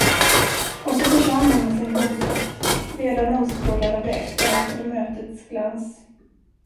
Och så försvann hon med sin blombukett, redan omstrålad av det efterlängtade mötets glans.